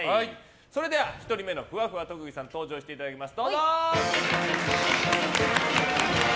それでは１人目のふわふわ特技さんに登場していただきます。